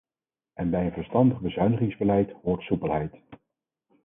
En bij een verstandig bezuinigingsbeleid hoort soepelheid.